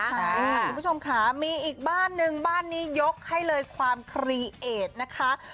ใช่ค่ะคุณผู้ชมค่ะมีอีกบ้านนึงบ้านนี้ยกให้เลยความครีเอดนะคะ